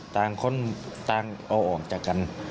ต่างคนต่างเอาออกจากกัน